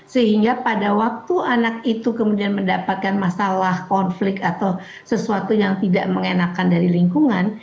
sehingga pada waktu anak itu kemudian mendapatkan masalah konflik atau sesuatu yang tidak mengenakan dari lingkungan